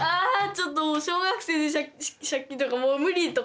ちょっと小学生で借金とかもう無理！とか。